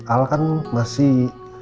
al kan masih